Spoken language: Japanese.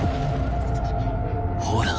ほら。